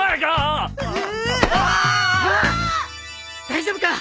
大丈夫か？